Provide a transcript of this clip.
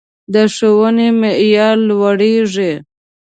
د ښوونې معیار لوړیږي